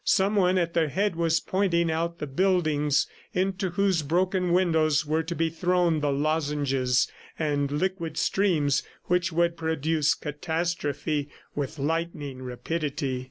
Someone at their head was pointing out the buildings into whose broken windows were to be thrown the lozenges and liquid streams which would produce catastrophe with lightning rapidity.